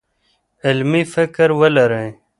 علمي فکر ولرئ.